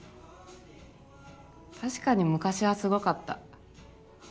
確かに昔はすごかった。